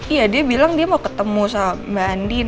iya dia bilang dia mau ketemu sama mbak andi